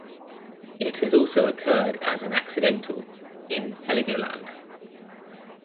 It has also occurred as an accidental in Heligoland.